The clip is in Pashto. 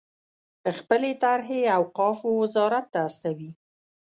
خپلې طرحې اوقافو وزارت ته استوي.